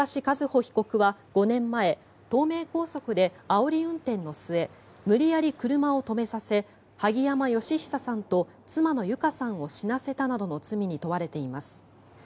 和歩被告は５年前東名高速であおり運転の末無理やり車を止めさせ萩山嘉久さんと妻の友香さんを死なせたなどの罪に問われています。